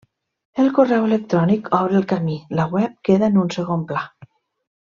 El correu electrònic obre el camí, la web queda en un segon pla.